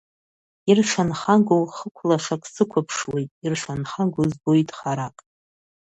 Иршанхагоу хықә лашак сықәыԥшуеит, иршанхагоу збоит харак.